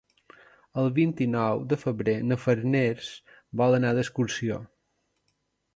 El vint-i-nou de febrer na Farners vol anar d'excursió.